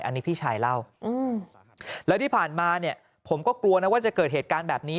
อันนี้พี่ชายเล่าแล้วที่ผ่านมาเนี่ยผมก็กลัวนะว่าจะเกิดเหตุการณ์แบบนี้